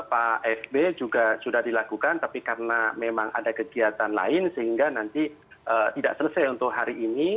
pak fb juga sudah dilakukan tapi karena memang ada kegiatan lain sehingga nanti tidak selesai untuk hari ini